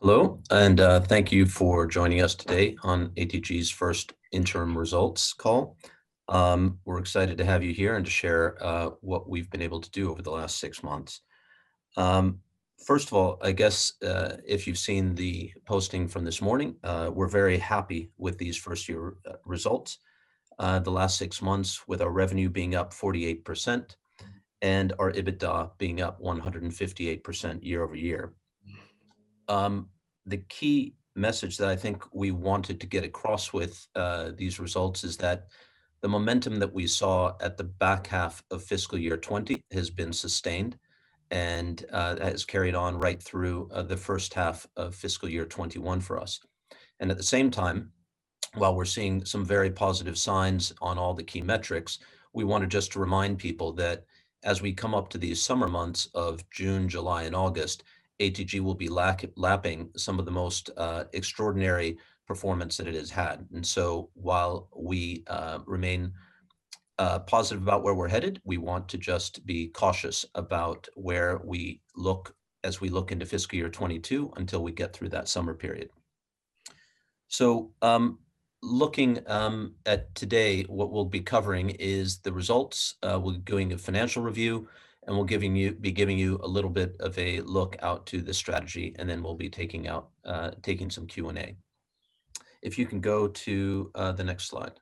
Hello, and thank you for joining us today on ATG's first interim results call. We're excited to have you here and share what we've been able to do over the last six months. First of all, I guess if you've seen the posting from this morning, we're very happy with these first-year results. The last six months with our revenue being up 48% and our EBITDA being up 158% year-over-year. The key message that I think we wanted to get across with these results is that the momentum that we saw at the back half of fiscal year 2020 has been sustained and has carried on right through the first half of fiscal year 2021 for us. At the same time, while we're seeing some very positive signs on all the key metrics, we want to just remind people that as we come up to these summer months of June, July, and August, ATG will be lapping some of the most extraordinary performance that it has had. While we remain positive about where we're headed, we want to just be cautious about where we look as we look into fiscal year 2022 until we get through that summer period. Looking at today, what we'll be covering is the results. We're doing a financial review, and we'll be giving you a little bit of a look out to the strategy, and then we'll be taking some Q&A. If you can go to the next slide.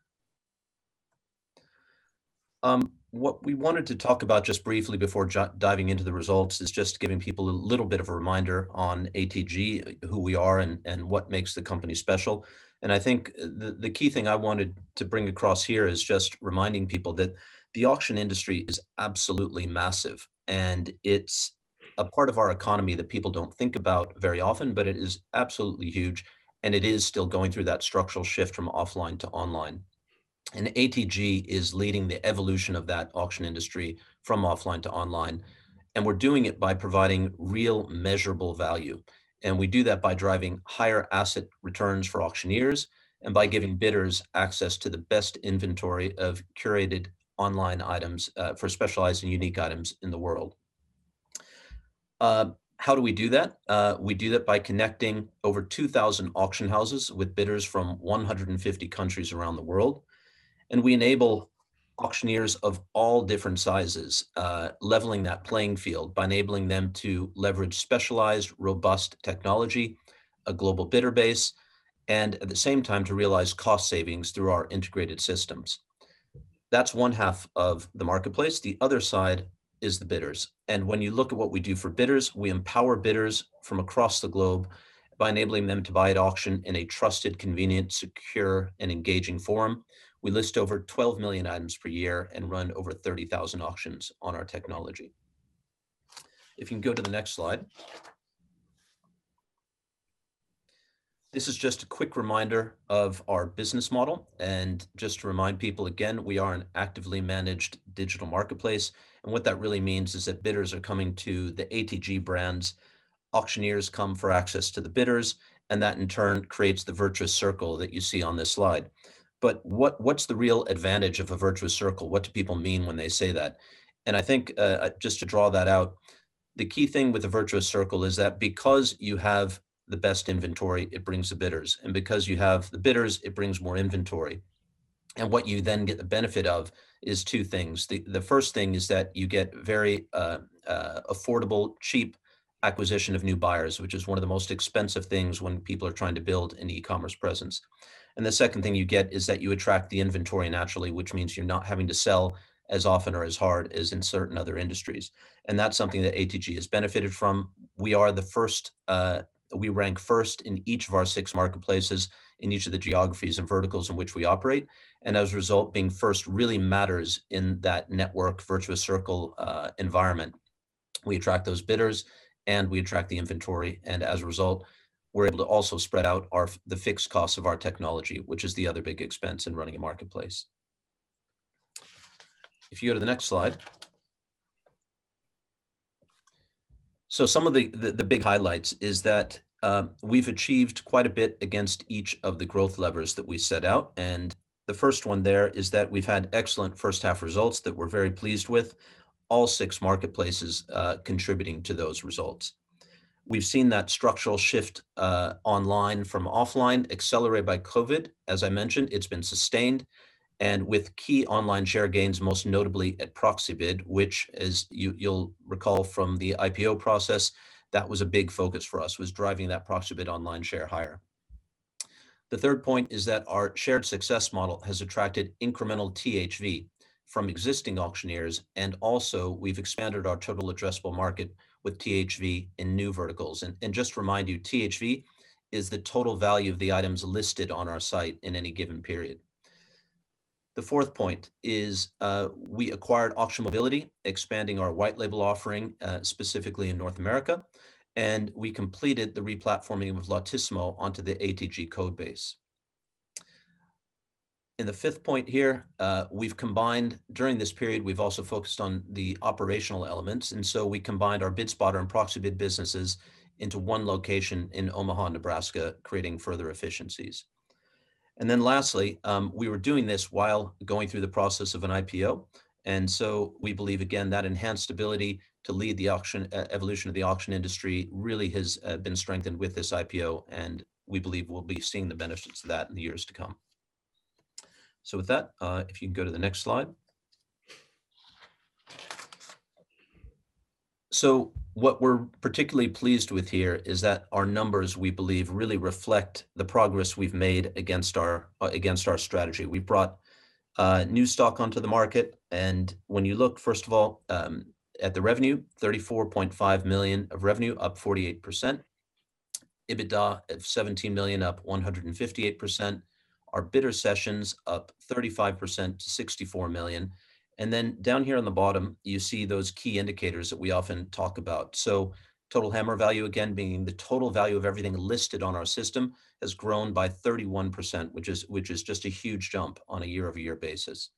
What we wanted to talk about just briefly before diving into the results is just giving people a little bit of a reminder on ATG, who we are and what makes the company special. I think the key thing I wanted to bring across here is just reminding people that the auction industry is absolutely massive, and it's a part of our economy that people don't think about very often, but it is absolutely huge and it is still going through that structural shift from offline to online. ATG is leading the evolution of that auction industry from offline to online. We're doing it by providing real measurable value. We do that by driving higher asset returns for auctioneers and by giving bidders access to the best inventory of curated online items for specialized and unique items in the world. How do we do that? We do that by connecting over 2,000 auction houses with bidders from 150 countries around the world, and we enable auctioneers of all different sizes, leveling that playing field by enabling them to leverage specialized, robust technology, a global bidder base, and at the same time to realize cost savings through our integrated systems. That's one half of the marketplace. The other side is the bidders. When you look at what we do for bidders, we empower bidders from across the globe by enabling them to buy at auction in a trusted, convenient, secure, and engaging forum. We list over 12 million items per year and run over 30,000 auctions on our technology. If you can go to the next slide. This is just a quick reminder of our business model. Just to remind people again, we are an actively managed digital marketplace. What that really means is that bidders are coming to the ATG brands, auctioneers come for access to the bidders, and that in turn creates the virtuous circle that you see on this slide. What's the real advantage of a virtuous circle? What do people mean when they say that? I think just to draw that out, the key thing with the virtuous circle is that because you have the best inventory, it brings the bidders. Because you have the bidders, it brings more inventory. What you then get the benefit of is two things. The first thing is that you get very affordable, cheap acquisition of new buyers, which is one of the most expensive things when people are trying to build an e-commerce presence. The second thing you get is that you attract the inventory naturally, which means you're not having to sell as often or as hard as in certain other industries. That's something that ATG has benefited from. We rank first in each of our six marketplaces, in each of the geographies and verticals in which we operate. As a result, being first really matters in that network virtuous circle environment. We attract those bidders and we attract the inventory. As a result, we're able to also spread out the fixed costs of our technology, which is the other big expense in running a marketplace. If you go to the next slide. Some of the big highlights is that we've achieved quite a bit against each of the growth levers that we set out. The first one there is that we've had excellent first half results that we're very pleased with, all six marketplaces contributing to those results. We've seen that structural shift online from offline accelerated by COVID. As I mentioned, it's been sustained and with key online share gains, most notably at Proxibid, which as you'll recall from the IPO process, that was a big focus for us, was driving that Proxibid online share higher. The third point is that our shared success model has attracted incremental THV from existing auctioneers, and also we've expanded our total addressable market with THV in new verticals. Just to remind you, THV is the total value of the items listed on our site in any given period. The fourth point is we acquired Auction Mobility, expanding our white label offering specifically in North America, and we completed the re-platforming of Lot-tissimo onto the ATG code base. In the fifth point here, during this period, we've also focused on the operational elements, and so we combined our BidSpotter and Proxibid businesses into one location in Omaha, Nebraska, creating further efficiencies. Lastly, we were doing this while going through the process of an IPO. We believe, again, that enhanced ability to lead the evolution of the auction industry really has been strengthened with this IPO, and we believe we'll be seeing the benefits of that in the years to come. With that, if you can go to the next slide. What we're particularly pleased with here is that our numbers, we believe, really reflect the progress we've made against our strategy. We've brought new stock onto the market. When you look, first of all, at the revenue, 34.5 million of revenue, up 48%, EBITDA at 17 million, up 158%, our bidder sessions up 35% to 64 million. Down here on the bottom, you see those key indicators that we often talk about. Total hammer value, again, being the total value of everything listed on our system has grown by 31%, which is just a huge jump on a year-over-year basis.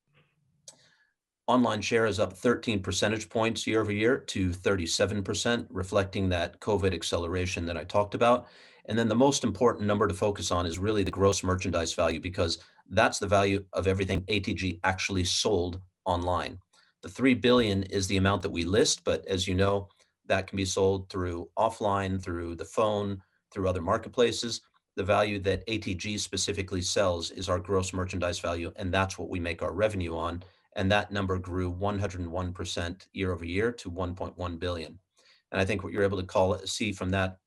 Online share is up 13 percentage points year-over-year to 37%, reflecting that COVID acceleration that I talked about. The most important number to focus on is really the gross merchandise value because that's the value of everything ATG actually sold online. The 3 billion is the amount that we list, but as you know, that can be sold through offline, through the phone, through other marketplaces. The value that ATG specifically sells is our gross merchandise value, and that's what we make our revenue on, and that number grew 101% year-over-year to 1.1 billion. I think what you're able to see from that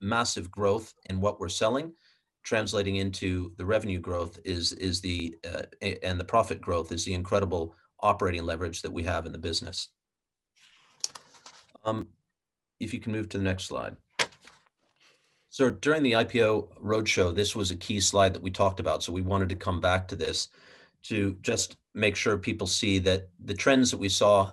massive growth in what we're selling translating into the revenue growth and the profit growth is the incredible operating leverage that we have in the business. If you can move to the next slide. During the IPO roadshow, this was a key slide that we talked about, so we wanted to come back to this to just make sure people see that the trends that we saw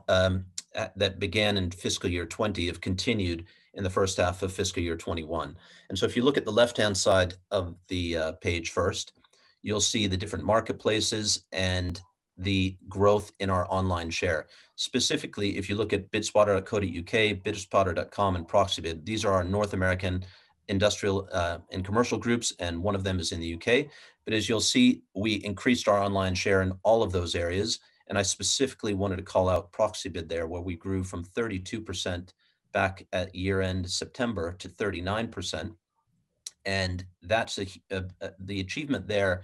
that began in fiscal year 2020 have continued in the first half of fiscal year 2021. If you look at the left-hand side of the page first, you'll see the different marketplaces and the growth in our online share. Specifically, if you look at bidspotter.co.uk, bidspotter.com, and Proxibid, these are our North American industrial and commercial groups, and one of them is in the U.K. As you'll see, we increased our online share in all of those areas. I specifically wanted to call out Proxibid there, where we grew from 32% back at year-end September to 39%. The achievement there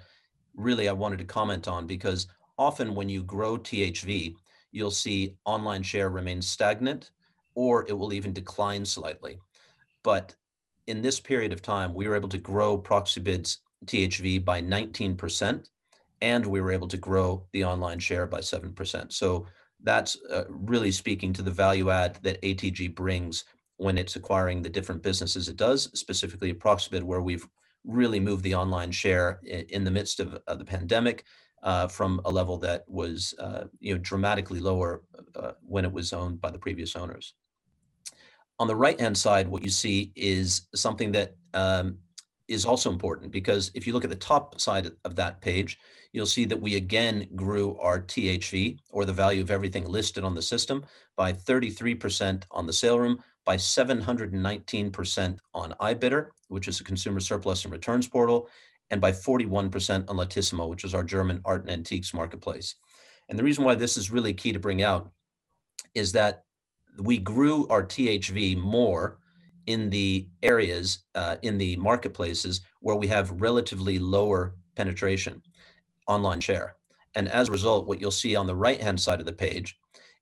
really I wanted to comment on because often when you grow THV, you'll see online share remains stagnant or it will even decline slightly. In this period of time, we were able to grow Proxibid's THV by 19%, and we were able to grow the online share by 7%. That's really speaking to the value add that ATG brings when it's acquiring the different businesses it does, specifically Proxibid, where we've really moved the online share in the midst of the pandemic from a level that was dramatically lower when it was owned by the previous owners. On the right-hand side, what you see is something that is also important because if you look at the top side of that page, you'll see that we again grew our THV or the value of everything listed on the system by 33% on The Saleroom, by 719% on i-bidder, which is a consumer surplus and returns portal, and by 41% on Lot-tissimo, which is our German art and antiques marketplace. The reason why this is really key to bring out is that we grew our THV more in the areas, in the marketplaces where we have relatively lower penetration online share. As a result, what you'll see on the right-hand side of the page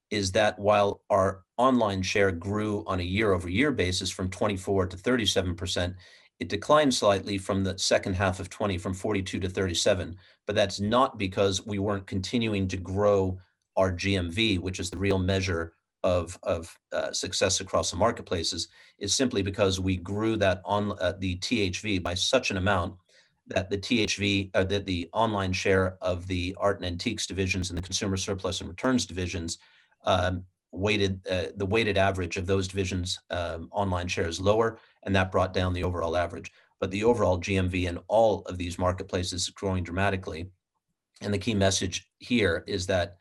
is that while our online share grew on a year-over-year basis from 24% to 37%, it declined slightly from the second half of 2020 from 42% to 37%. That's not because we weren't continuing to grow our GMV, which is the real measure of success across the marketplaces. It's simply because we grew the THV by such an amount that the online share of the Art and Antiques divisions and the Consumer Surplus and Returns divisions, the weighted average of those divisions' online share is lower, and that brought down the overall average. The overall GMV in all of these marketplaces is growing dramatically. The key message here is that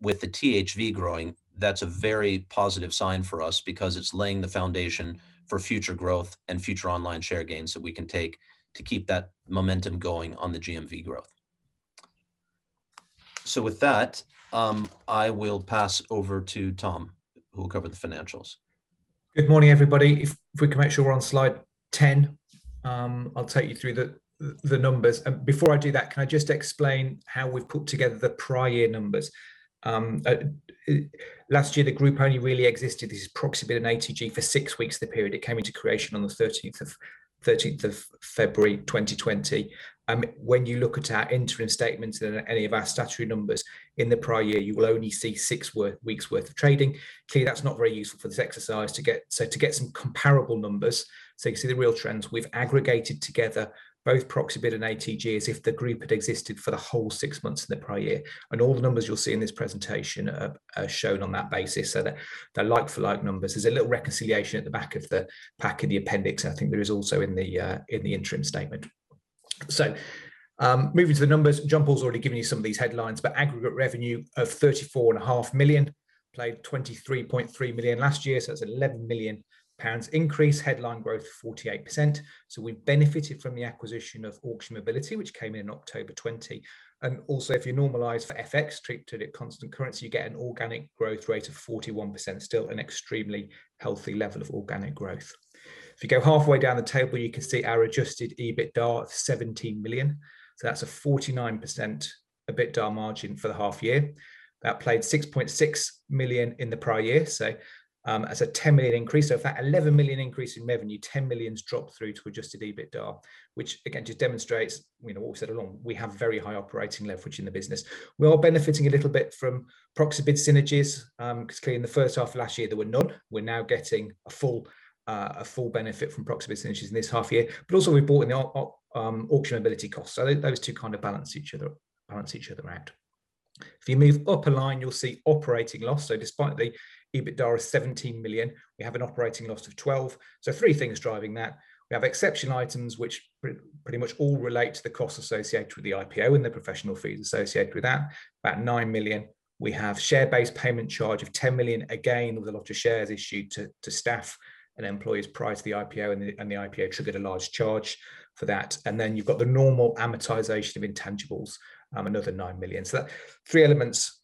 with the THV growing, that's a very positive sign for us because it's laying the foundation for future growth and future online share gains that we can take to keep that momentum going on the GMV growth. With that, I will pass over to Tom, who will cover the financials. Good morning, everybody. If we can make sure we're on slide 10, I'll take you through the numbers. Before I do that, can I just explain how we've put together the prior numbers? Last year, the group only really existed as Proxibid and ATG for six weeks, the period it came into creation on the 13th of February 2020. When you look at our interim statements and any of our statutory numbers in the prior year, you will only see six weeks worth of trading. Clearly, that's not very useful for this exercise. To get some comparable numbers, so you can see the real trends, we've aggregated together both Proxibid and ATG as if the group had existed for the whole six months in the prior year. All the numbers you'll see in this presentation are shown on that basis, so they're like-for-like numbers. There's a little reconciliation at the back of the appendix. I think there's also in the interim statement. Moving to the numbers. John-Paul's already given you some of these headlines, but aggregate revenue of 34.5 million, compared to 23.3 million last year. That's 11 million pounds increased headline growth of 48%. We benefited from the acquisition of Auction Mobility, which came in October 2020. Also, if you normalize for FX treated at constant currency, you get an organic growth rate of 41%, still an extremely healthy level of organic growth. If you go halfway down the table, you can see our adjusted EBITDA at 17 million. That's a 49% EBITDA margin for the half year. That compared to 6.6 million in the prior year. That's a 10 million increase. Of that 11 million increase in revenue, 10 million dropped through to adjusted EBITDA, which again just demonstrates, we've all said along, we have very high operating leverage in the business. We are benefiting a little bit from Proxibid synergies, because clearly in the first half of last year, there were none. We are now getting a full benefit from Proxibid synergies in this half year. Also, we bought in our Auction Mobility costs. Those two kind of balance each other out. If you move up a line, you'll see operating loss. Despite the EBITDA of 17 million, we have an operating loss of 12 million. Three things driving that. We have exceptional items which pretty much all relate to the costs associated with the IPO and the professional fees associated with that, about 9 million. We have share-based payment charge of 10 million, again, with a lot of shares issued to staff and employees prior to the IPO and the IPO triggered a large charge for that. Then you've got the normal amortization of intangibles, another 9 million. Three elements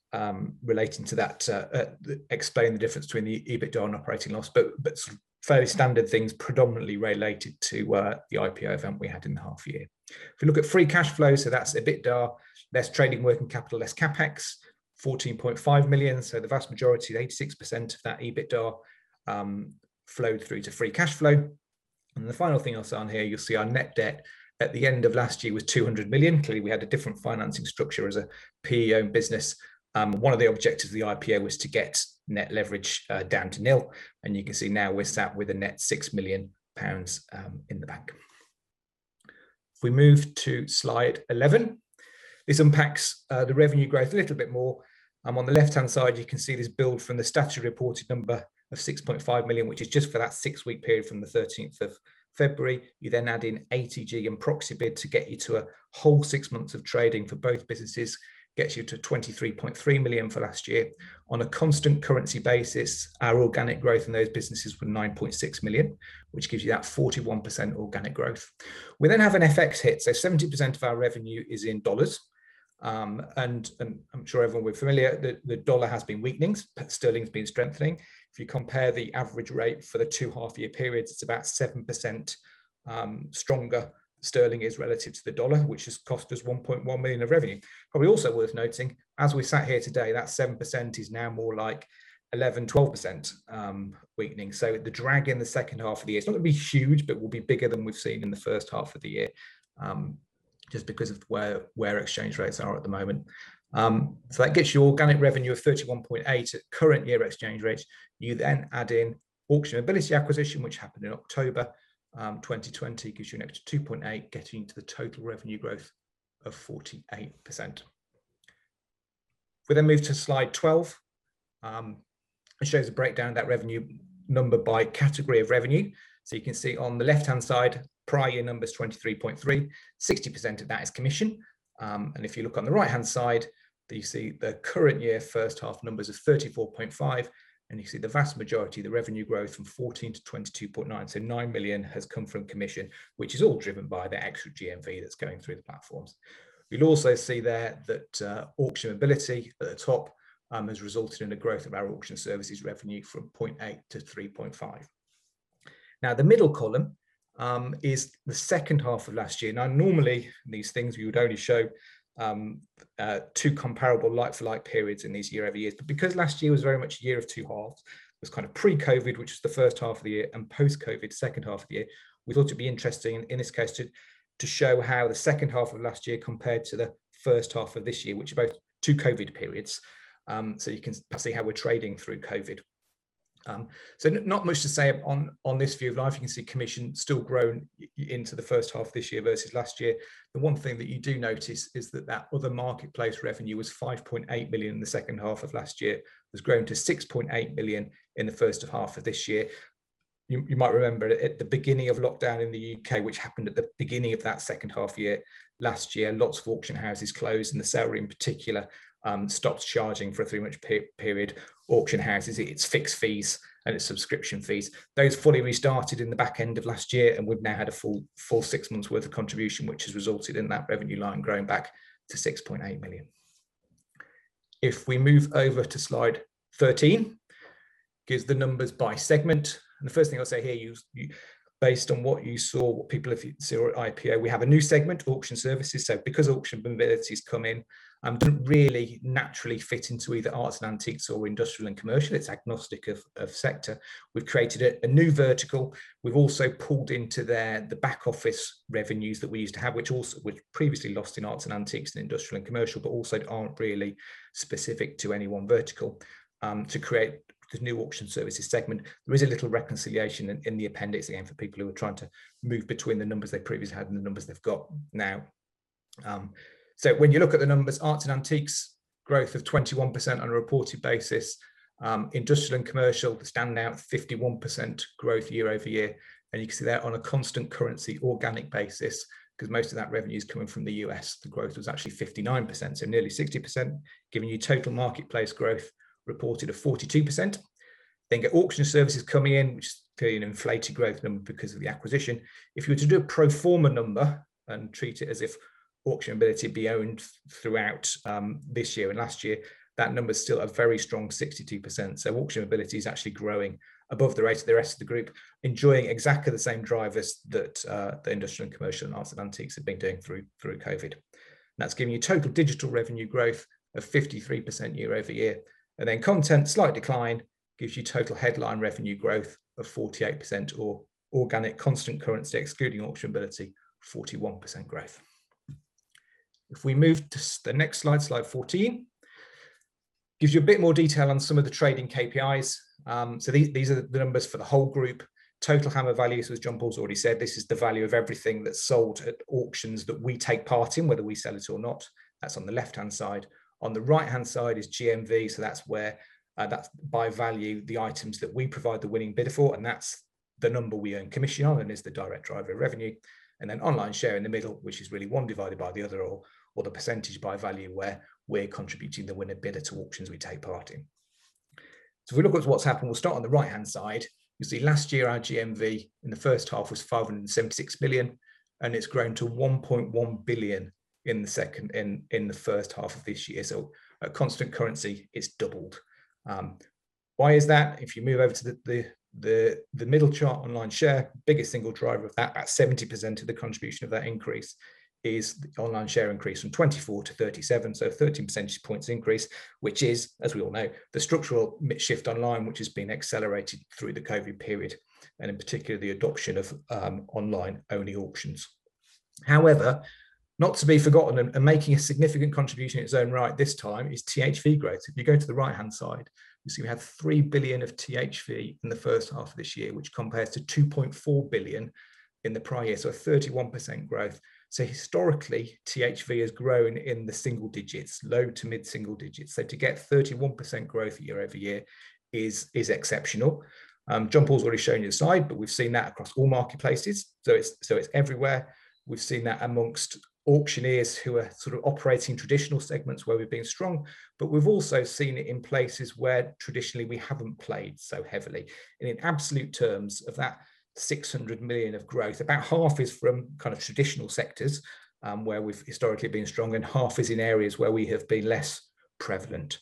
relating to that explain the difference between the EBITDA and operating loss. Fairly standard things predominantly related to the IPO event we had in the half year. If you look at free cash flow, that's EBITDA, less trading working capital, less CapEx, 14.5 million. The vast majority, 86% of that EBITDA, flowed through to free cash flow. The final thing I'll say on here, you'll see our net debt at the end of last year was 200 million. Clearly, we had a different financing structure as a PE-owned business. One of the objectives of the IPO was to get net leverage down to nil. You can see now we're sat with a net 6 million pounds in the bank. If we move to slide 11. This unpacks the revenue growth a little bit more. On the left-hand side, you can see this build from the statutory reported number of 6.5 million, which is just for that six-week period from the 13th of February. You then add in ATG and Proxibid to get you to a whole six months of trading for both businesses, gets you to 23.3 million for last year. On a constant currency basis, our organic growth in those businesses were 9.6 million, which gives you that 41% organic growth. We then have an FX hit. 70% of our revenue is in dollars. I'm sure everyone's familiar, the dollar has been weakening, but sterling's been strengthening. If you compare the average rate for the two half-year periods, it's about 7% stronger sterling is relative to the dollar, which has cost us 1.1 million of revenue. Also worth noting, as we sat here today, that 7% is now more like 11%, 12% weakening. The drag in the second half of the year, it's not going to be huge, but will be bigger than we've seen in the first half of the year, just because of where exchange rates are at the moment. That gets you organic revenue of 31.8 million at current year exchange rates. You add in Auction Mobility acquisition, which happened in October 2020, gets you up to 2.8 million, getting to the total revenue growth of 48%. We move to slide 12. It shows a breakdown of that revenue number by category of revenue. You can see on the left-hand side, prior year number is 23.3 million, 60% of that is commission. If you look on the right-hand side, you see the current year first half numbers are 34.5 million, and you see the vast majority of the revenue growth from 14 million to 22.9 million. 9 million has come from commission, which is all driven by the extra GMV that's going through the platforms. You will also see there that Auction Mobility, at the top, has resulted in the growth of our auction services revenue from 0.8 million to 3.5 million. The middle column is the second half of last year. Normally in these things, we would only show two comparable like-for-like periods in these year-over-year. Because last year was very much a year of two halves, it was kind of pre-COVID, which was the first half of the year, and post-COVID, second half of the year. We thought it'd be interesting, in this case, to show how the second half of last year compared to the first half of this year, which are both two COVID periods. You can see how we're trading through COVID. Not much to say on this view of life. You can see commission still growing into the first half of this year versus last year. The one thing that you do notice is that other marketplace revenue was 5.8 million in the second half of last year. It's grown to 6.8 million in the first half of this year. You might remember at the beginning of lockdown in the U.K., which happened at the beginning of that second half year last year, lots of auction houses closed, and The Saleroom in particular stopped charging for a three-month period. Auction houses, it's fixed fees and it's subscription fees. Those fully restarted in the back end of last year, and we've now had a full six months worth of contribution, which has resulted in that revenue line growing back to 6.8 million. If we move over to slide 13. Gives the numbers by segment. The first thing I'll say here, based on what you saw, people, if you were at IPO, we have a new segment, Auction Services. Because Auction Mobility's come in, didn't really naturally fit into either Arts and Antiques or Industrial and Commercial. It's agnostic of sector. We've created a new vertical. We've also pulled into there the back office revenues that we used to have, which we'd previously lost in Arts and Antiques and Industrial and Commercial, but also aren't really specific to any one vertical to create the new Auction Services segment. There is a little reconciliation in the appendix here for people who are trying to move between the numbers they previously had and the numbers they've got now. When you look at the numbers, Arts and Antiques growth of 21% on a reported basis. Industrial and Commercial standing at 51% growth year-over-year. You can see that on a constant currency organic basis, because most of that revenue's coming from the U.S., the growth was actually 59%, nearly 60%, giving you total marketplace growth reported at 42%. You get Auction Services coming in, which is clearly an inflated growth number because of the acquisition. If we were to do a pro forma number and treat it as if Auction Mobility had been owned throughout this year and last year, that number is still a very strong 62%. Auction Mobility is actually growing above the rate of the rest of the group, enjoying exactly the same drivers that the Industrial and Commercial and Art and Antiques have been going through COVID. That's giving you total digital revenue growth of 53% year-over-year. Content, slight decline, gives you total headline revenue growth of 48%, or organic constant currency excluding Auction Mobility, 41% growth. If we move to the next slide, slide 14, gives you a bit more detail on some of the trading KPIs. These are the numbers for the whole group. Total hammer value, as John-Paul's already said, this is the value of everything that's sold at auctions that we take part in, whether we sell it or not. That's on the left-hand side. On the right-hand side is GMV, that's by value, the items that we provide the winning bid for, and that's the number we earn commission on and is the direct driver of revenue. Online share in the middle, which is really one divided by the other, or the percentage by value where we're contributing the winning bid at auctions we take part in. If we look at what's happened, we'll start on the right-hand side. You can see last year our GMV in the first half was 576 million, and it's grown to 1.1 billion in the first half of this year. At constant currency, it's doubled. Why is that? If you move over to the middle chart, online share, biggest single driver of that, 70% of the contribution of that increase is online share increase from 24 to 37. 13 percentage points increase, which is, as we all know, the structural shift online, which has been accelerated through the COVID period, and in particular, the adoption of online-only auctions. However, not to be forgotten and making a significant contribution in its own right this time is THV growth. If you go to the right-hand side, you can see we have 3 billion of THV in the first half of this year, which compares to 2.4 billion in the prior year. 31% growth. Historically, THV has grown in the single digits, low to mid single digits. To get 31% growth year-over-year is exceptional. John-Paul's already shown you a slide, but we've seen that across all marketplaces, so it's everywhere. We've seen that amongst auctioneers who are operating traditional segments where we've been strong. We've also seen it in places where traditionally we haven't played so heavily. In absolute terms, of that 600 million of growth, about half is from traditional sectors, where we've historically been strong, and half is in areas where we have been less prevalent.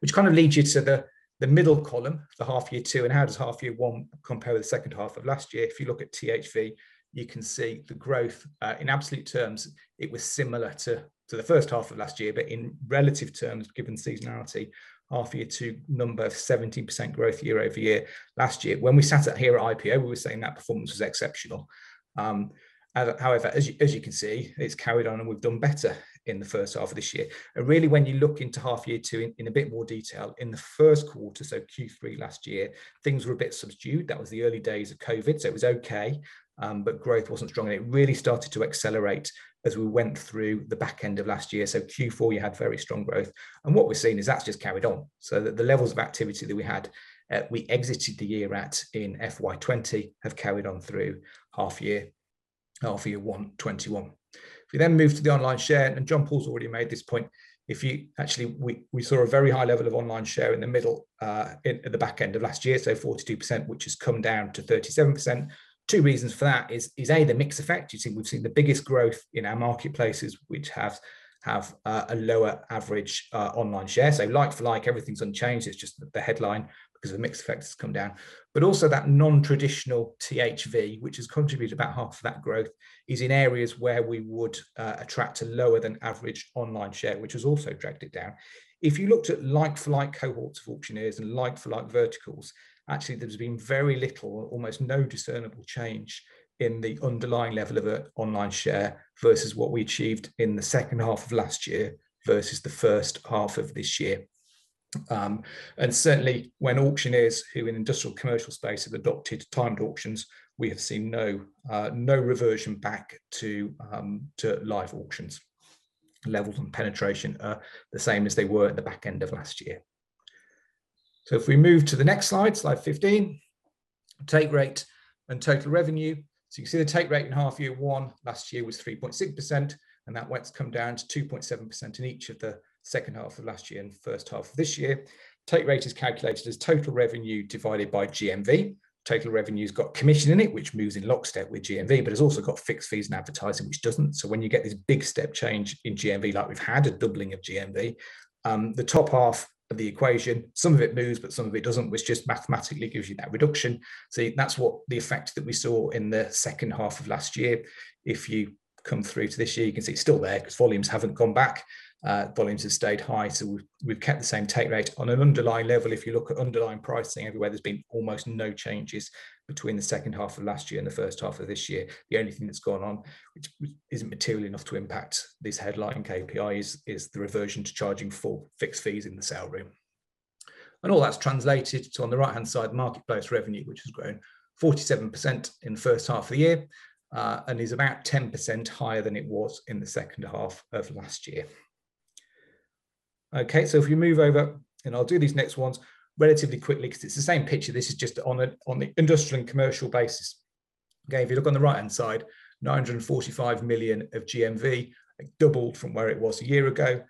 Which leads you to the middle column for half year two. How does half year one compare to the second half of last year? If you look at THV, you can see the growth in absolute terms, it was similar to the first half of last year. In relative terms, given seasonality, half year two number, 17% growth year-over-year. Last year, when we sat here at IPO, we were saying that performance was exceptional. However, as you can see, it's carried on and we've done better in the first half of this year. Really when you look into half year two in a bit more detail, in the first quarter, so Q3 last year, things were a bit subdued. That was the early days of COVID, so it was okay, but growth wasn't strong. It really started to accelerate as we went through the back end of last year. Q4, we had very strong growth. What we're seeing is that's just carried on, so the levels of activity that we had, we exited the year at in FY 2020 have carried on through half year one 2021. If we then move to the online share, and John-Paul's already made this point. Actually, we saw a very high level of online share in the back end of last year, so 42%, which has come down to 37%. two reasons for that is, A, the mix effect. You can see we've seen the biggest growth in our marketplaces which have a lower average online share. Like for like, everything's unchanged. It's just the headline, because the mix effect has come down. Also that non-traditional THV, which has contributed about half of that growth, is in areas where we would attract a lower than average online share, which has also dragged it down. If you looked at like for like cohorts of auctioneers and like for like verticals, actually, there's been very little, almost no discernible change in the underlying level of online share versus what we achieved in the second half of last year versus the first half of this year. Certainly, when auctioneers who are in the industrial commercial space have adopted timed auctions, we have seen no reversion back to live auctions. Levels and penetration are the same as they were at the back end of last year. If we move to the next slide, slide 15, take rate and total revenue. You can see the take rate in half year one last year was 3.6%, and that rate's come down to 2.7% in each of the second half of last year and first half of this year. Take rate is calculated as total revenue divided by GMV. Total revenue's got commission in it, which moves in lockstep with GMV, but it's also got fixed fees and advertising, which doesn't. When you get this big step change in GMV like we've had, a doubling of GMV, the top half of the equation, some of it moves, but some of it doesn't, which just mathematically gives you that reduction. That's the effect that we saw in the second half of last year. If you come through to this year, you can see it's still there because volumes haven't gone back. Volumes have stayed high, so we've kept the same take rates. On an underlying level, if you look at underlying pricing, everywhere there's been almost no changes between the second half of last year and the first half of this year. The only thing that's gone on, which isn't material enough to impact this headline KPI, is the reversion to charging for fixed fees in The Saleroom. All that's translated to, on the right-hand side, marketplace revenue, which has grown 47% in first half of the year, and is about 10% higher than it was in the second half of last year. If we move over, and I'll do these next ones relatively quickly because it's the same picture. This is just on the Industrial and Commercial basis. If you look on the right-hand side, 945 million of GMV, doubled from where it was a year ago.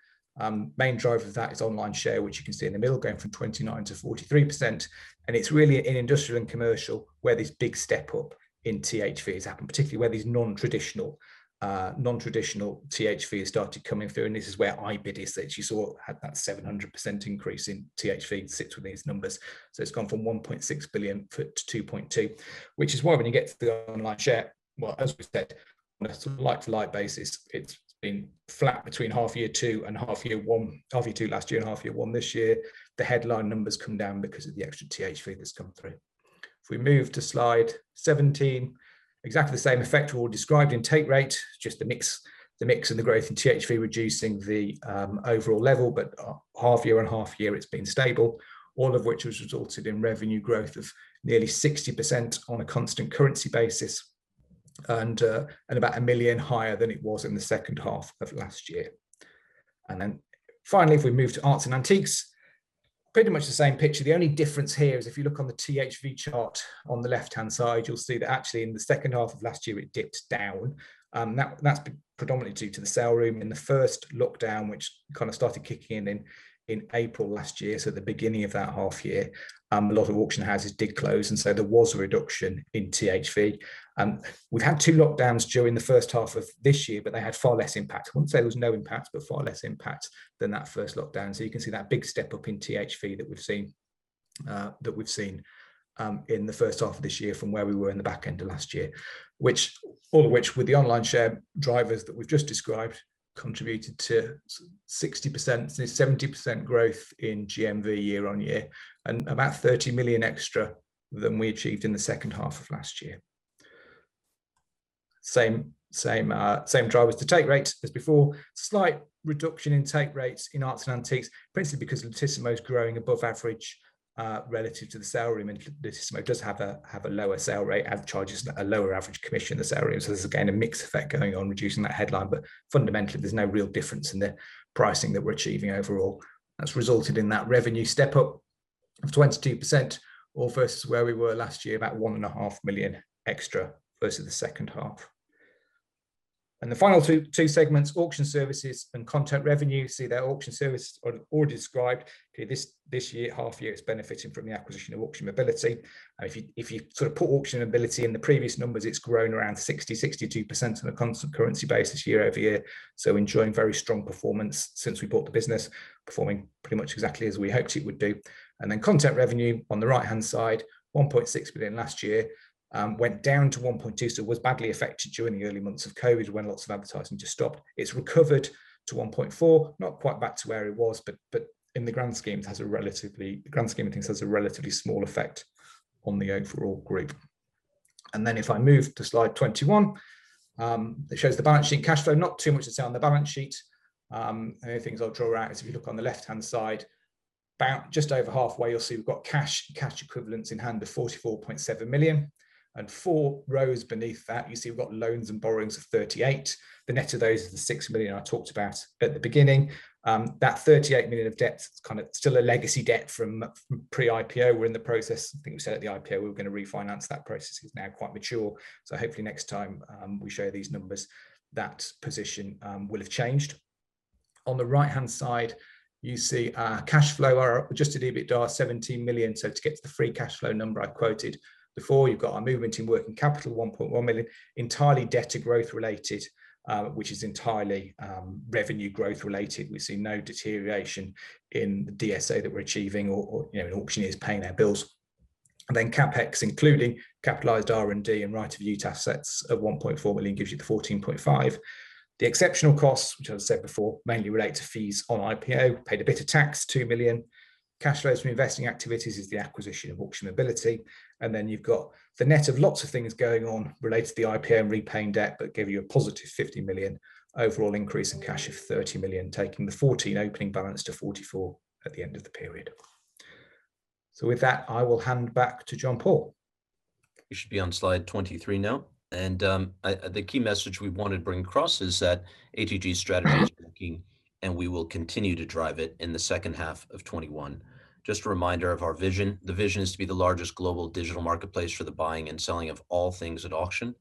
Main driver of that is online share, which you can see in the middle, going from 29% to 43%. It's really in Industrial and Commercial where this big step-up in THV has happened, particularly where these non-traditional THV started coming through. This is where i-bidder that you saw had that 700% increase in THV sits with these numbers. It's gone from 1.6 billion to 2.2 billion, which is why when you get to the online share, well, as we said, on a like-to-like basis, it's been flat between half year two and half year one. Half year two last year and half year one this year. The headline numbers come down because of the extra THV that's come through. If we move to slide 17, exactly the same effect we're describing. Take rate, just the mix of the growth in THV reducing the overall level, but half year on half year it's been stable. All of which has resulted in revenue growth of nearly 60% on a constant currency basis and about 1 million higher than it was in the second half of last year. Finally, if we move to Art and Antiques, pretty much the same picture. The only difference here is if you look on the THV chart on the left-hand side, you'll see that actually in the second half of last year it dips down. That's predominantly due to The Saleroom in the first lockdown, which started kicking in April last year, so the beginning of that half year. A lot of auction houses did close, and so there was a reduction in THV. We had two lockdowns during the first half of this year, but they had far less impact. I wouldn't say there was no impact, far less impact than that first lockdown. You can see that big step-up in THV that we've seen in the first half of this year from where we were in the back end of last year. All of which with the online share drivers that we've just described contributed to 60%, nearly 70% growth in GMV year-on-year and about 30 million extra than we achieved in the second half of last year. Same drivers to take rates as before. Slight reduction in take rates in Art and Antiques, basically because Lot-tissimo is growing above average, relative to The Saleroom. Lot-tissimo does have a lower sale rate, have charges at a lower average commission in The Saleroom. There's, again, a mixed effect going on, reducing that headline. Fundamentally, there's no real difference in the pricing that we're achieving overall. That's resulted in that revenue step-up of 22%, or versus where we were last year, about 1.5 million extra versus the second half. The final two segments, Auction Services and Content revenue. See that auction service I've already described. This year, half year, it's benefiting from the acquisition of Auction Mobility. If you put Auction Mobility in the previous numbers, it's grown around 60%, 62% on a constant currency basis year-over-year, so enjoying very strong performance since we bought the business. Performing pretty much exactly as we hoped it would do. Content revenue on the right-hand side, 1.6 billion last year, went down to 1.2 billion, so was badly affected during the early months of COVID, when lots of advertising just stopped. It's recovered to 1.4 billion, not quite back to where it was, but in the grand scheme of things has a relatively small effect on the overall group. If I move to slide 21, it shows the balance sheet cash flow. Not too much to say on the balance sheet. The only things I'll draw out is if you look on the left-hand side, just over halfway, you'll see we've got cash and cash equivalents in hand of 44.7 million. Four rows beneath that, you'll see we've got loans and borrowings of 38 million. The net of those is the 6 million I talked about at the beginning. That 38 million of debt's still a legacy debt from pre-IPO. We're in the process of things at the IPO. We're going to refinance. That process is now quite mature, hopefully next time we share these numbers, that position will have changed. On the right-hand side, you see our cash flow are up adjusted EBITDA 17 million. To get the free cash flow number I quoted before, you've got our movement in working capital, 1.1 million, entirely debtor growth related, which is entirely revenue growth related. We're seeing no deterioration in the DSO that we're achieving or auctioneers paying their bills. CapEx, including capitalized R&D and right of use assets of 1.4 million gives you 14.5 million. The exceptional costs, which I said before, mainly related to fees on IPO. Paid a bit of tax, 2 million. Cash flows from investing activities is the acquisition of Auction Mobility. You've got the net of lots of things going on related to the IPO and repaying debt, but give you a positive 50 million. Overall increase in cash of 30 million, taking the 14 million opening balance to 44 million at the end of the period. With that, I will hand back to John-Paul. We should be on slide 23 now. The key message we want to bring across is that ATG's strategy is working, and we will continue to drive it in the second half of 2021. Just a reminder of our vision. The vision is to be the largest global digital marketplace for the buying and selling of all things at auction.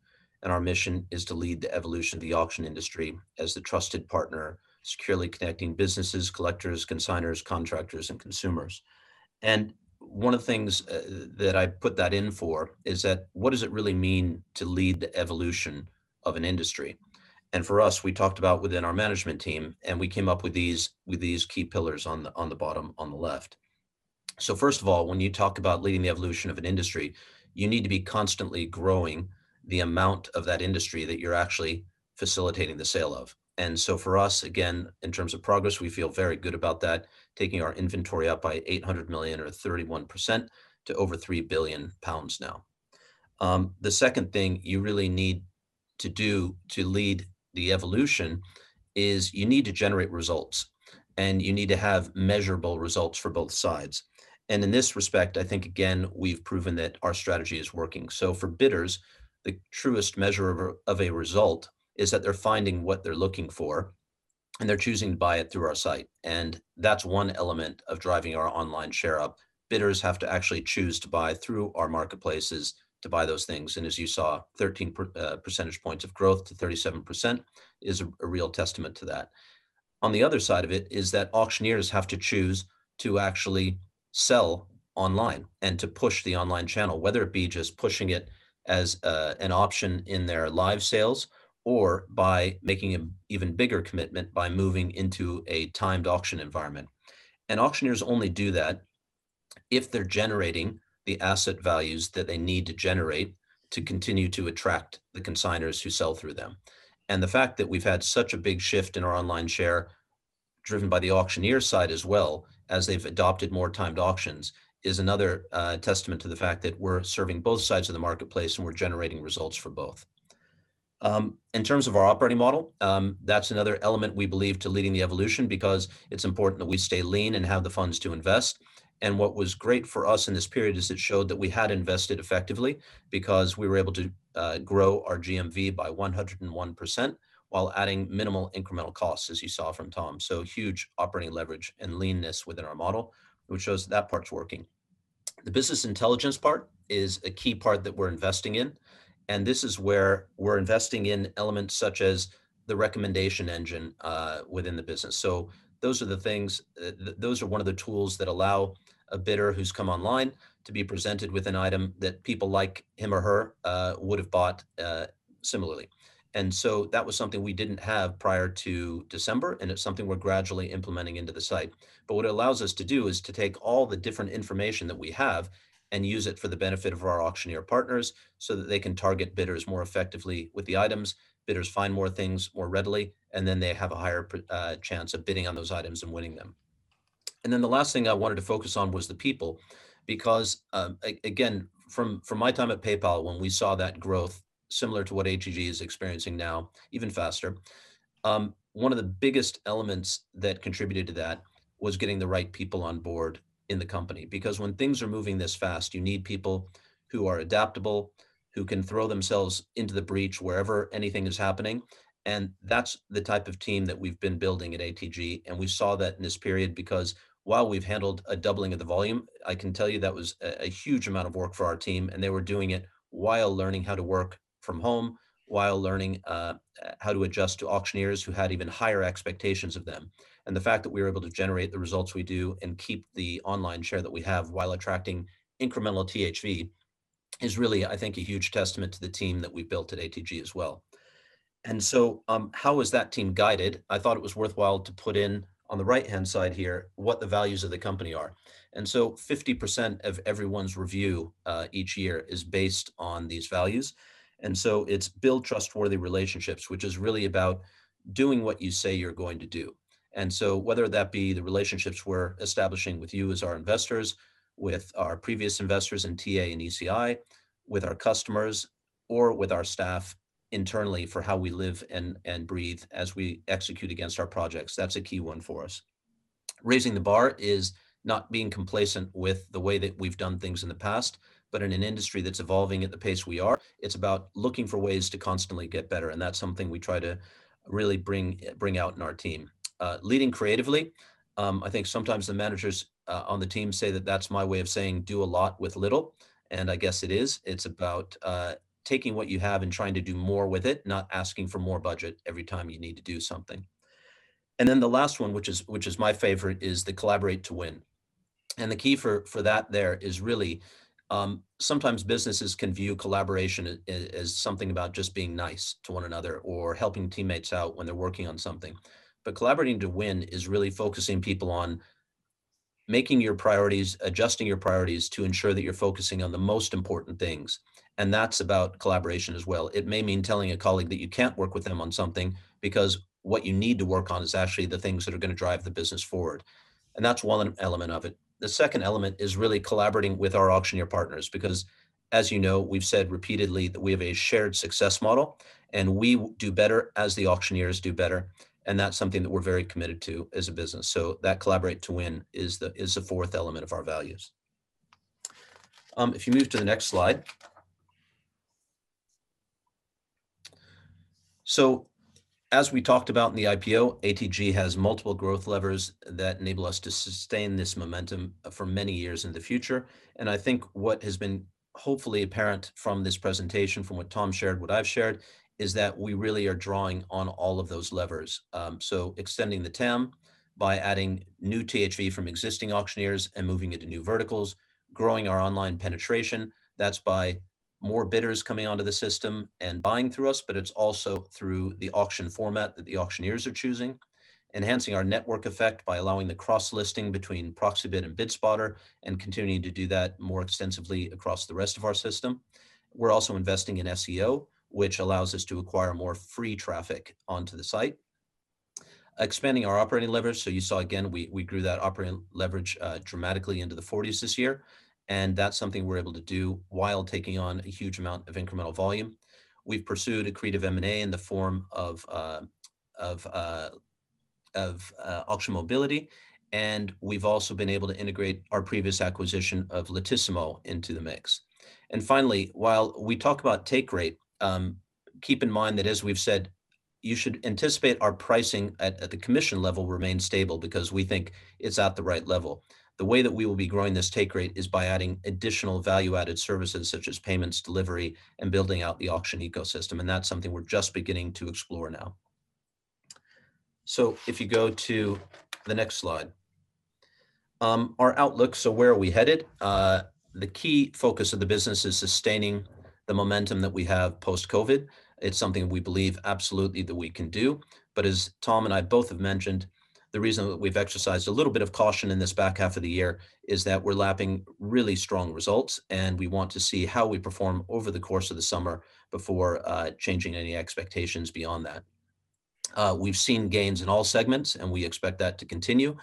Our mission is to lead the evolution of the auction industry as the trusted partner, securely connecting businesses, collectors, consignors, contractors, and consumers. One of the things that I put that in for is that what does it really mean to lead the evolution of an industry? For us, we talked about within our management team, and we came up with these key pillars on the bottom on the left. First of all, when you talk about leading the evolution of an industry, you need to be constantly growing the amount of that industry that you're actually facilitating the sale of. For us, again, in terms of progress, we feel very good about that, taking our inventory up by 800 million or 31% to over 3 billion pounds now. The second thing you really need to do to lead the evolution is you need to generate results, and you need to have measurable results for both sides. In this respect, I think, again, we've proven that our strategy is working. For bidders, the truest measure of a result is that they're finding what they're looking for, and they're choosing to buy it through our site. That's one element of driving our online share up. Bidders have to actually choose to buy through our marketplaces to buy those things. As you saw, 13 percentage points of growth to 37% is a real testament to that. On the other side of it is that auctioneers have to choose to actually sell online and to push the online channel, whether it be just pushing it as an option in their live sales or by making an even bigger commitment by moving into a timed auction environment. Auctioneers only do that if they're generating the asset values that they need to generate to continue to attract the consignors who sell through them. The fact that we've had such a big shift in our online share driven by the auctioneer side as well as they've adopted more timed auctions is another testament to the fact that we're serving both sides of the marketplace and we're generating results for both. In terms of our operating model, that's another element we believe to leading the evolution because it's important that we stay lean and have the funds to invest. What was great for us in this period is it showed that we had invested effectively because we were able to grow our GMV by 101% while adding minimal incremental costs, as you saw from Tom. Huge operating leverage and leanness within our model, which shows that part's working. The business intelligence part is a key part that we're investing in. This is where we're investing in elements such as the recommendation engine within the business. Those are one of the tools that allow a bidder who's come online to be presented with an item that people like him or her would have bought similarly. That was something we didn't have prior to December. It's something we're gradually implementing into the site. What it allows us to do is to take all the different information that we have and use it for the benefit of our auctioneer partners so that they can target bidders more effectively with the items, bidders find more things more readily, and then they have a higher chance of bidding on those items and winning them. Then the last thing I wanted to focus on was the people because, again, from my time at PayPal, when we saw that growth similar to what ATG is experiencing now, even faster, one of the biggest elements that contributed to that was getting the right people on board in the company. Because when things are moving this fast, you need people who are adaptable, who can throw themselves into the breach wherever anything is happening, and that's the type of team that we've been building at ATG. We saw that in this period because while we've handled a doubling of the volume, I can tell you that was a huge amount of work for our team, and they were doing it while learning how to work from home, while learning how to adjust to auctioneers who had even higher expectations of them. The fact that we were able to generate the results we do and keep the online share that we have while attracting incremental THV is really, I think, a huge testament to the team that we built at ATG as well. How is that team guided? I thought it was worthwhile to put in on the right-hand side here what the values of the company are. 50% of everyone's review each year is based on these values. It's build trustworthy relationships, which is really about doing what you say you're going to do. Whether that be the relationships we're establishing with you as our investors, with our previous investors in TA and ECI, with our customers, or with our staff internally for how we live and breathe as we execute against our projects, that's a key one for us. Raising the bar is not being complacent with the way that we've done things in the past. In an industry that's evolving at the pace we are, it's about looking for ways to constantly get better, and that's something we try to really bring out in our team. Leading creatively, I think sometimes the managers on the team say that that's my way of saying do a lot with little, and I guess it is. It's about taking what you have and trying to do more with it, not asking for more budget every time you need to do something. Then the last one, which is my favorite, is the collaborate to win. The key for that there is really sometimes businesses can view collaboration as something about just being nice to one another or helping teammates out when they're working on something. Collaborating to win is really focusing people on making your priorities, adjusting your priorities to ensure that you're focusing on the most important things, and that's about collaboration as well. It may mean telling a colleague that you can't work with them on something because what you need to work on is actually the things that are going to drive the business forward. That's one element of it. The second element is really collaborating with our auctioneer partners because, as you know, we've said repeatedly that we have a shared success model, and we do better as the auctioneers do better, and that's something that we're very committed to as a business. That collaborate to win is the fourth element of our values. If you move to the next slide. As we talked about in the IPO, ATG has multiple growth levers that enable us to sustain this momentum for many years in the future. I think what has been hopefully apparent from this presentation, from what Tom shared, what I've shared, is that we really are drawing on all of those levers. Extending the TAM by adding new THV from existing auctioneers and moving into new verticals. Growing our online penetration, that's by more bidders coming onto the system and buying through us, but it's also through the auction format that the auctioneers are choosing. Enhancing our network effect by allowing the cross-listing between Proxibid and BidSpotter and continuing to do that more extensively across the rest of our system. We're also investing in SEO, which allows us to acquire more free traffic onto the site. Expanding our operating leverage. You saw again, we grew that operating leverage dramatically into the 40s this year, and that's something we're able to do while taking on a huge amount of incremental volume. We've pursued accretive M&A in the form of Auction Mobility, and we've also been able to integrate our previous acquisition of Lot-tissimo into the mix. Finally, while we talk about take rate, keep in mind that as we've said, you should anticipate our pricing at the commission level remain stable because we think it's at the right level. The way that we will be growing this take rate is by adding additional value-added services such as payments, delivery, and building out the auction ecosystem. That's something we're just beginning to explore now. If you go to the next slide. Our outlook. Where are we headed? The key focus of the business is sustaining the momentum that we have post-COVID. It's something we believe absolutely that we can do. As Tom and I both have mentioned, the reason that we've exercised a little bit of caution in this back half of the year is that we're lapping really strong results, and we want to see how we perform over the course of the summer before changing any expectations beyond that. We've seen gains in all segments, and we expect that to continue,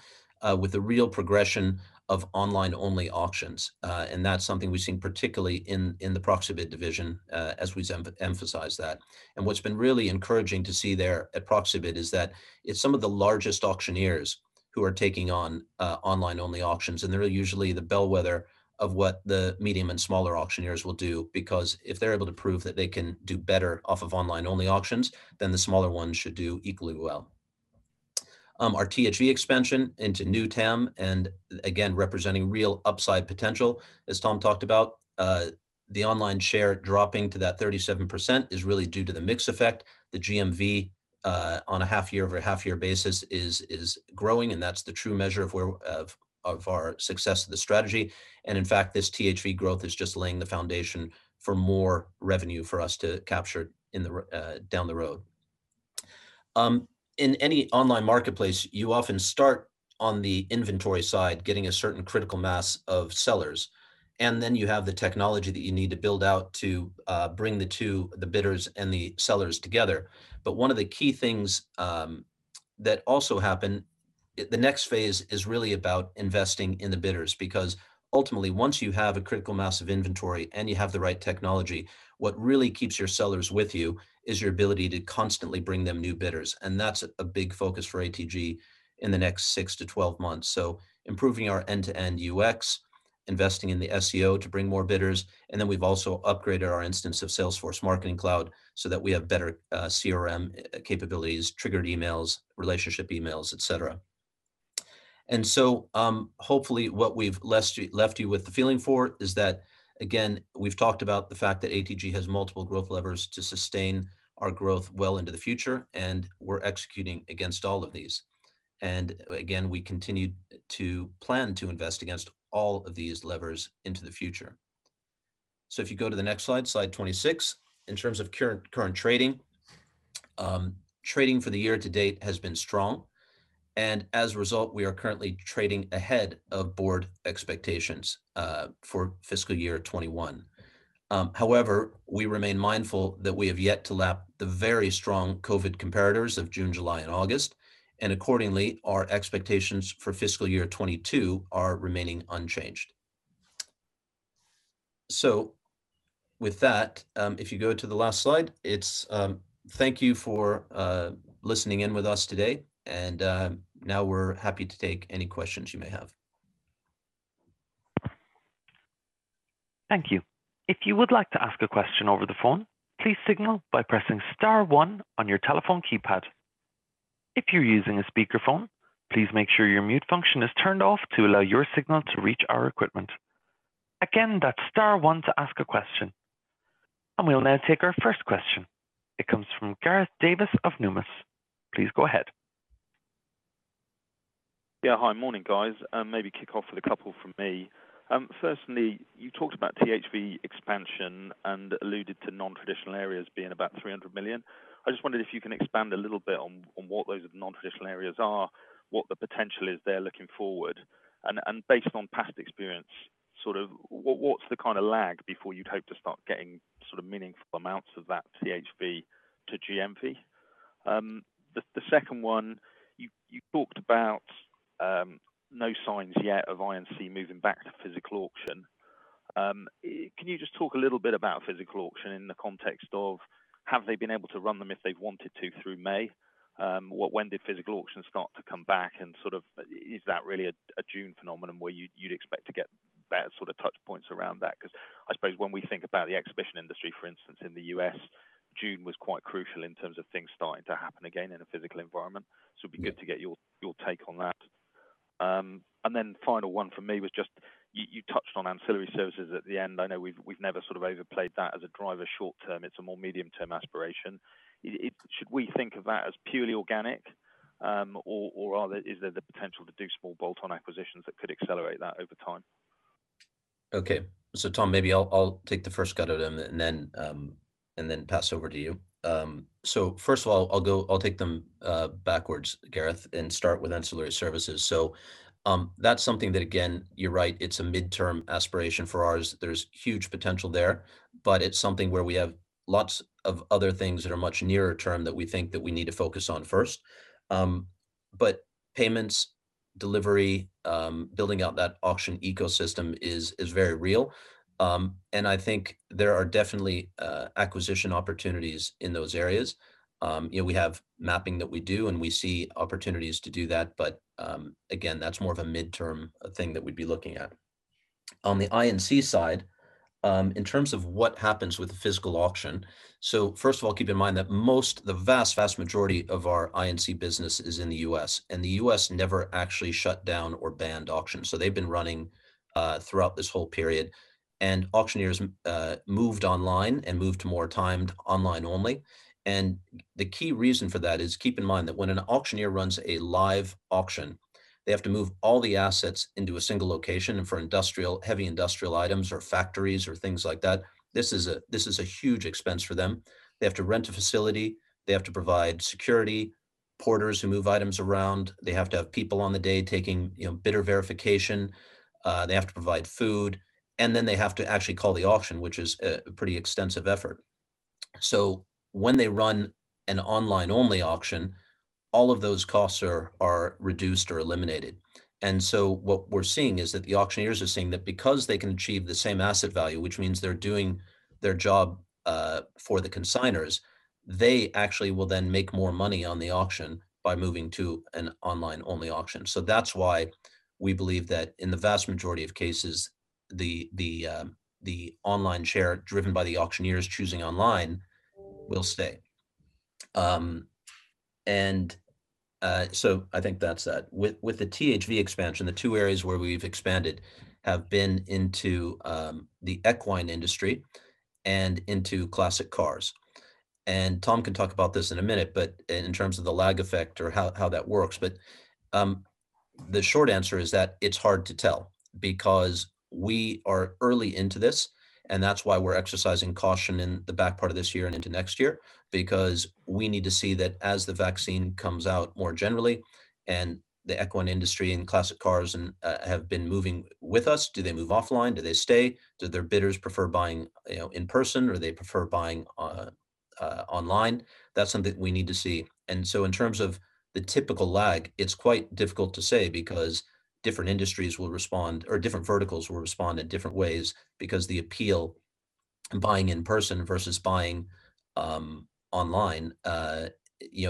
with a real progression of online-only auctions. That's something we've seen particularly in the Proxibid division, as we've emphasized that. What's been really encouraging to see there at Proxibid is that it's some of the largest auctioneers who are taking on online-only auctions, and they're usually the bellwether of what the medium and smaller auctioneers will do, because if they're able to prove that they can do better off of online-only auctions, then the smaller ones should do equally well. Our THV expansion into new TAM and again, representing real upside potential. As Tom talked about, the online share dropping to that 37% is really due to the mix effect. The GMV on a half year over half year basis is growing, and that's the true measure of our success of the strategy. In fact, this THV growth is just laying the foundation for more revenue for us to capture down the road. In any online marketplace, you often start on the inventory side, getting a certain critical mass of sellers, and then you have the technology that you need to build out to bring the two, the bidders and the sellers together. One of the key things that also happen, the next phase is really about investing in the bidders, because ultimately, once you have a critical mass of inventory and you have the right technology, what really keeps your sellers with you is your ability to constantly bring them new bidders. That's a big focus for ATG in the next 6-12 months. Improving our end-to-end UX, investing in the SEO to bring more bidders, and then we've also upgraded our instance of Salesforce Marketing Cloud so that we have better CRM capabilities, triggered emails, relationship emails, et cetera. Hopefully what we've left you with the feeling for is that, again, we've talked about the fact that ATG has multiple growth levers to sustain our growth well into the future, and we're executing against all of these. Again, we continue to plan to invest against all of these levers into the future. If you go to the next slide, slide 26, in terms of current trading. Trading for the year to date has been strong, and as a result, we are currently trading ahead of board expectations for fiscal year 2021. However, we remain mindful that we have yet to lap the very strong COVID comparators of June, July, and August, and accordingly, our expectations for fiscal year 2022 are remaining unchanged. With that, if you go to the last slide, it's thank you for listening in with us today, and now we are happy to take any questions you may have. Thank you. If you would like to ask a question over the phone, please signal by pressing star one on your telephone keypad. If you're using a speakerphone, please make sure your mute function is turned off to allow your signal to reach our equipment. Again, that's star one to ask a question. We'll now take our first question. It comes from Gareth Davies of Numis. Please go ahead. Hi. Morning, guys. Maybe kick off with a couple from me. Firstly, you talked about THV expansion and alluded to non-traditional areas being about 300 million. I just wonder if you can expand a little bit on what those non-traditional areas are, what the potential is there looking forward. Based on past experience, what's the kind of lag before you hope to start getting sort of meaningful amounts of that THV to GMV? The second one, you talked about no signs yet of I&C moving back to physical auction. Can you just talk a little bit about physical auction in the context of have they been able to run them if they wanted to through May? When did physical auction start to come back and is that really a June phenomenon where you'd expect to get better touch points around that? I suppose when we think about the exhibition industry, for instance, in the U.S., June was quite crucial in terms of things starting to happen again in a physical environment. It'd be good to get your take on that. Final one from me was just you touched on ancillary services at the end. I know we've never sort of overplayed that as a driver short-term. It's a more medium-term aspiration. Should we think of that as purely organic? Or is there the potential to do small bolt-on acquisitions that could accelerate that over time? Okay. Tom, maybe I'll take the first cut of them and then pass over to you. First of all, I'll take them backwards, Gareth, and start with ancillary services. That's something that, again, you're right, it's a midterm aspiration for ours. There's huge potential there, but it's something where we have lots of other things that are much nearer term that we think that we need to focus on first. Payments, delivery, building out that auction ecosystem is very real. I think there are definitely acquisition opportunities in those areas. We have mapping that we do, we see opportunities to do that. Again, that's more of a midterm thing that we'd be looking at. On the I&C side, in terms of what happens with the physical auction. First of all, keep in mind that the vast majority of our I&C business is in the U.S. The U.S. never actually shut down or banned auctions. They've been running throughout this whole period. Auctioneers moved online and moved more time online only. The key reason for that is keep in mind that when an auctioneer runs a live auction, they have to move all the assets into a single location. For heavy industrial items or factories or things like that, this is a huge expense for them. They have to rent a facility. They have to provide security, porters who move items around. They have to have people on the day taking bidder verification. They have to provide food, and then they have to actually call the auction, which is a pretty extensive effort. When they run an online-only auction, all of those costs are reduced or eliminated. What we're seeing is that the auctioneers are seeing that because they can achieve the same asset value, which means they're doing their job for the consignors, they actually will then make more money on the auction by moving to an online-only auction. That's why we believe that in the vast majority of cases the online share driven by the auctioneers choosing online will stay. I think that's that. With the THV expansion, the two areas where we've expanded have been into the equine industry and into classic cars. Tom can talk about this in a minute, but in terms of the lag effect or how that works. The short answer is that it's hard to tell because we are early into this, and that's why we're exercising caution in the back part of this year and into next year, because we need to see that as the vaccine comes out more generally and the equine industry and classic cars have been moving with us. Do they move offline? Do they stay? Do their bidders prefer buying in person or do they prefer buying online? That's something we need to see. In terms of the typical lag, it's quite difficult to say because different verticals will respond in different ways because the appeal buying in person versus buying online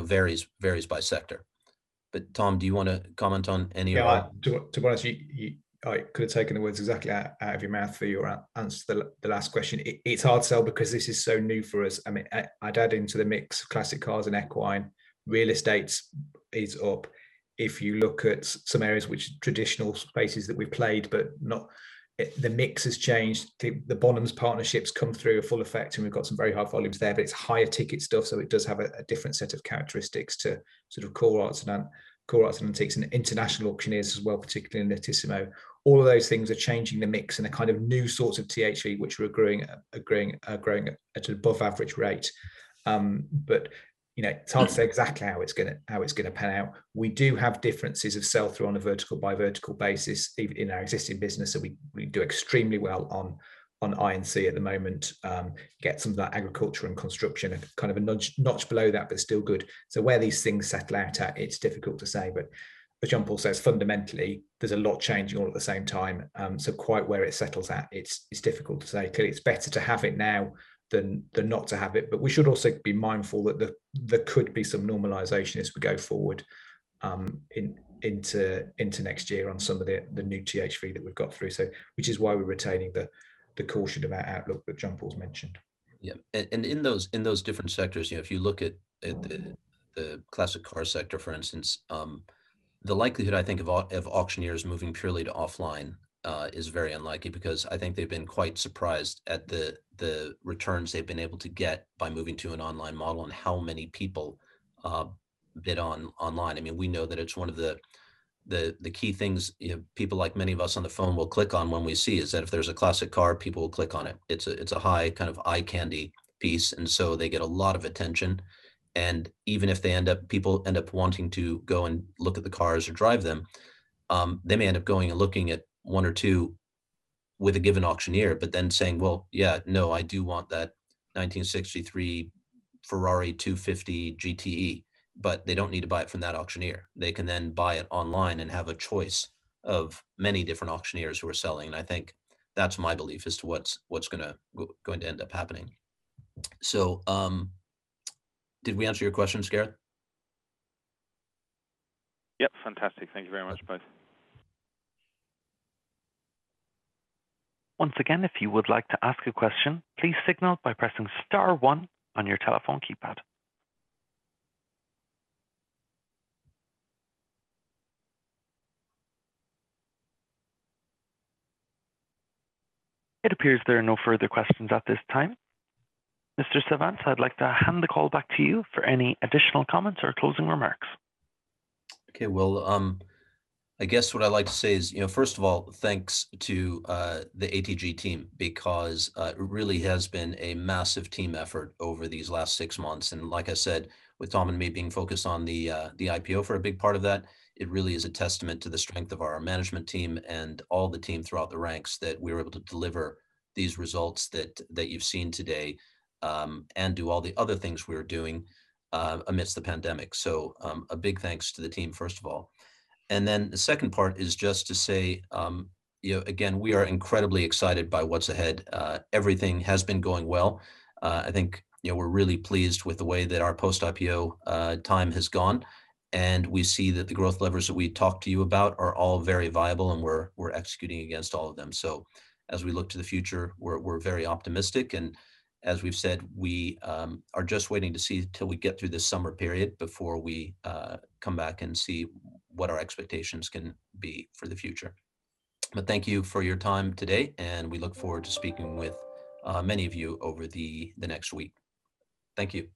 varies by sector. Tom, do you want to comment on any of that? Yeah. To be honest, you could have taken the words exactly out of your mouth for your answer to the last question. It's hard to tell because this is so new for us. I'd add into the mix classic cars and equine. Real estate is up. If you look at some areas which are traditional spaces that we played, but the mix has changed. The Bonhams partnership's come through full effect, and we've got some very high volumes there. It's higher ticket still, so it does have a different set of characteristics to core Arts and Antiques and international auctioneers as well, particularly in the Lot-tissimo. All of those things are changing the mix and the kind of new sorts of THV which are growing at above average rate. It's hard to say exactly how it's going to pan out. We do have differences of sell-through on a vertical-by-vertical basis in our existing business. We do extremely well on I&C at the moment. You get some of that agriculture and construction kind of a notch below that, but still good. Where these things settle out at, it's difficult to say. As John-Paul says, fundamentally, there's a lot changing all at the same time. Quite where it settles at, it's difficult to say. Clearly it's better to have it now than not to have it. We should also be mindful that there could be some normalization as we go forward into next year on some of the new THV that we've got through, which is why we're retaining the caution of our outlook that John-Paul's mentioned. Yeah. In those different sectors, if you look at the classic car sector, for instance, the likelihood I think of auctioneers moving purely to offline is very unlikely because I think they've been quite surprised at the returns they've been able to get by moving to an online model and how many people bid online. We know that it's one of the key things people like many of us on the phone will click on when we see is that if there's a classic car, people will click on it. It's a high kind of eye candy piece, and so they get a lot of attention. Even if people end up wanting to go and look at the cars or drive them, they may end up going and looking at one or two with a given auctioneer, but then saying, "Well, yeah, no, I do want that 1963 Ferrari 250 GTE," but they don't need to buy it from that auctioneer. They can then buy it online and have a choice of many different auctioneers who are selling. I think that's my belief as to what's going to end up happening. Did we answer your question, Gareth? Yep. Fantastic. Thank you very much, both. Once again, if you would like to ask a question, please signal by pressing star one on your telephone keypad. It appears there are no further questions at this time. Mr. Savant, I'd like to hand the call back to you for any additional comments or closing remarks. Okay. I guess what I'd like to say is, first of all, thanks to the ATG team because it really has been a massive team effort over these last six months. Like I said, with Tom and me being focused on the IPO for a big part of that, it really is a testament to the strength of our management team and all the team throughout the ranks that we were able to deliver these results that you've seen today and do all the other things we were doing amidst the pandemic. A big thanks to the team, first of all. The second part is just to say again, we are incredibly excited by what's ahead. Everything has been going well. I think we're really pleased with the way that our post-IPO time has gone, and we see that the growth levers that we talked to you about are all very viable, and we're executing against all of them. As we look to the future, we're very optimistic, and as we've said, we are just waiting to see until we get through this summer period before we come back and see what our expectations can be for the future. Thank you for your time today, and we look forward to speaking with many of you over the next week. Thank you.